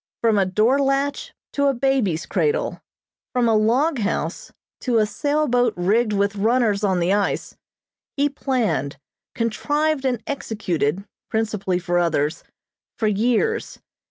From a door latch to a baby's cradle, from a log house to a sail boat rigged with runners on the ice, he planned, contrived and executed, principally for others, for years.